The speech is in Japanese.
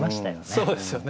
そうですよね。